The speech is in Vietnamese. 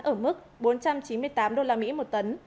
ở mức bốn trăm chín mươi tám usd một tấn